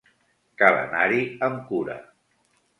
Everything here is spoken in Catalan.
Cal anar-hi amb cura.